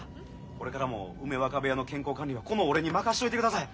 これからも梅若部屋の健康管理はこの俺に任しといてください。